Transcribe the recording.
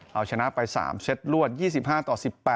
เอาชนะไป๓เซตรวด๒๕ต่อ๑๘